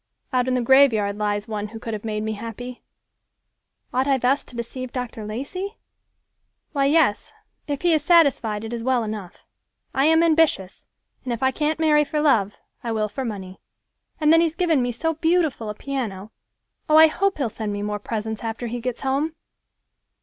Out in the graveyard lies one who could have made me happy. Ought I thus to deceive Dr. Lacey? Why, yes; if he is satisfied, it is well enough. I am ambitious, and if I can't marry for love, I will for money. And then he's given me so beautiful a piano. Oh, I hope he'll send me more presents after he gets home!"